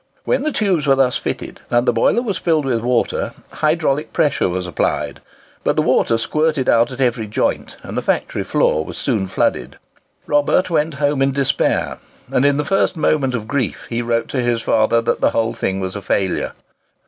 When the tubes were thus fitted, and the boiler was filled with water, hydraulic pressure was applied; but the water squirted out at every joint, and the factory floor was soon flooded. Robert went home in despair; and in the first moment of grief, he wrote to his father that the whole thing was a failure.